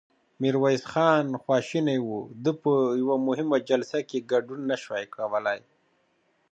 ميرويس خان خواشينی و، ده په يوه مهمه جلسه کې ګډون نه شوای کولای.